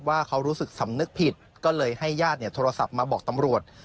ว่าเขารู้สึกสำนึกผิดก็เลยให้ญาติโทรศัพท์มาบอกตำรวจ